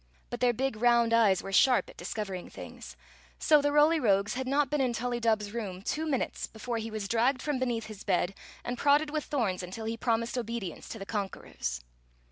But their big round eyes weic sharp at discovering things; so the Roly Rogues had not been in Tullydub's room two minutes before he was dragged from beneath his bed, and prodded with thorns until he promised obedience to the conquerors.